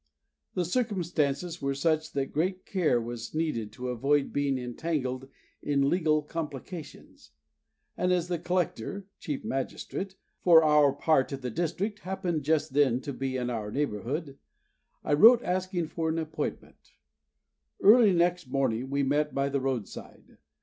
The circumstances were such that great care was needed to avoid being entangled in legal complications; and as the Collector (Chief Magistrate) for our part of the district happened just then to be in our neighbourhood, I wrote asking for an appointment. Early next morning we met by the roadside.